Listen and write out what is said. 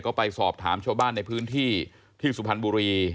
ก็ไปสอบถามชาวบ้านในพื้นที่ที่สุพรรณบุรี